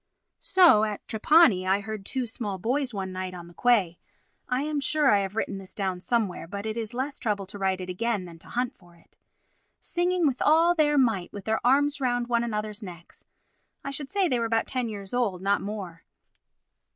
So at Trapani, I heard two small boys one night on the quay (I am sure I have written this down somewhere, but it is less trouble to write it again than to hunt for it) singing with all their might, with their arms round one another's necks. I should say they were about ten years old, not more.